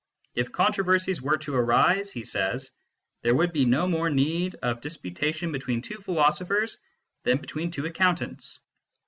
" If controversies were to arise," he says, " there would be no more need of dis putation between two philosophers than between two accountants.